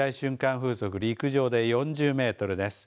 風速陸上で４０メートルです。